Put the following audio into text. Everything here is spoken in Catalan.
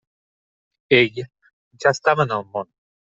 «Ell» ja estava en el món.